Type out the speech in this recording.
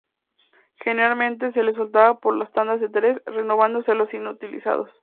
Generalmente se los soltaba por tandas de tres, renovándose los inutilizados.